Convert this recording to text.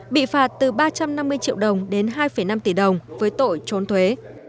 bị phạt từ ba trăm năm mươi triệu đồng đến hai năm tỷ đồng với tội trốn thuế